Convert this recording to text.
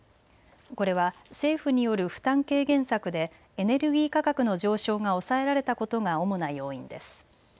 これは政府による負担軽減策でエネルギー価格の上昇が抑えられたことが主な要因です。